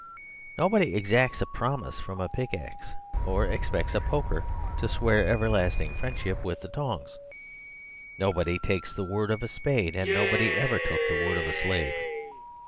Nobody exacts a promise from a pickaxe, or expects a poker to swear everlasting friendship with the tongs. Nobody takes the word of a spade; and no body ever took the word of a slave.